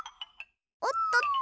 おっとっと。